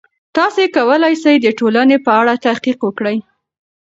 تاسې کولای سئ د ټولنې په اړه تحقیق وکړئ.